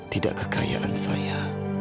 tidak kekayaan saya